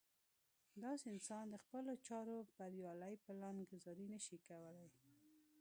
داسې انسان د خپلو چارو بريالۍ پلان ګذاري نه شي کولی.